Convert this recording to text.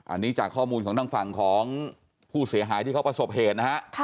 อันนี้จากข้อมูลของทางฝั่งของผู้เสียหายที่เขาประสบเหตุนะฮะ